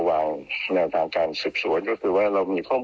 ข้างบางเดียวแถมด้วยนะคะ